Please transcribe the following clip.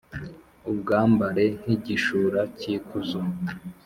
ubwambare nk’igishura cy’ikuzo.